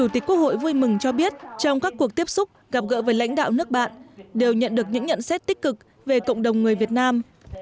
từng cho biết trong các cuộc tiếp xúc gặp gỡ với lãnh đạo nước bạn đều nhận được những nhận xét tích cực về cộng đồng người việt nam